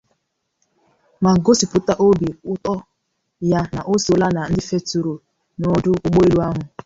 ma gosipụta obi ụtọ ya na o sola na ndị fetùrù n'ọdụ ụgbọelu ahụ.